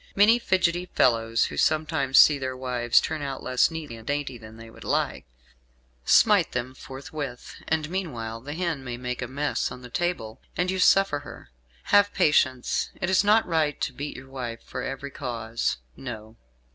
Many fidgetty fellows, who sometimes see their wives turn out less neat and dainty than they would like, smite them forthwith; and meanwhile the hen may make a mess on the table, and you suffer her. Have patience; it is not right to beat your wife for every cause, no!"